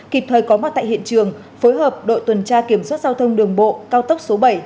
kịp thời có mặt tại hiện trường phối hợp đội tuần tra kiểm soát giao thông đường bộ cao tốc số bảy